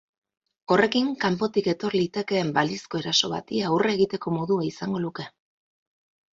Horrekin kanpotik etor litekeen balizko eraso bati aurre egiteko modua izango luke.